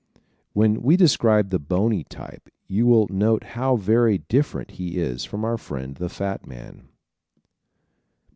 When we describe the bony type you will note how very different he is from our friend the fat man.